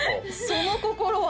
その心は？